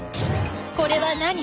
これは何？